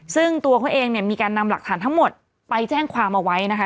ซึ่งตัวเขาเองเนี่ยมีการนำหลักฐานทั้งหมดไปแจ้งความเอาไว้นะคะ